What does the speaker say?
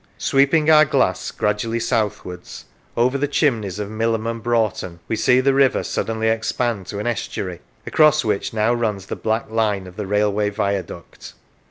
Sweeping our glass gradually southwards, over the chimneys of Millom and Broughton, we see the river suddenly expand to an estuary, across which now runs the black line of the railway viaduct.